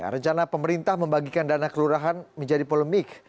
rencana pemerintah membagikan dana kelurahan menjadi polemik